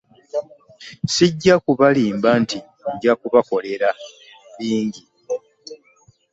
Ssijja kubalimba nti nja kubakolera bingi.